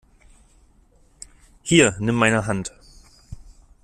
Hier, nimm meine Hand!